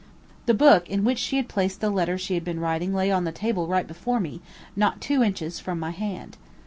The book in which she had placed the letter she had been writing lay on the table right before me, not two inches from my hand.